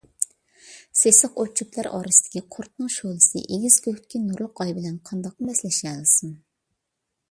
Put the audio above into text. سېسىق ئوت - چۆپلەر ئارىسىدىكى قۇرتنىڭ شولىسى ئېگىز كۆكتىكى نۇرلۇق ئاي بىلەن قانداقمۇ بەسلىشەلىسۇن؟